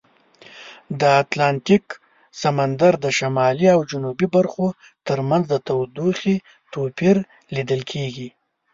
د اتلانتیک سمندر د شمالي او جنوبي برخو ترمنځ د تودوخې توپیر لیدل کیږي.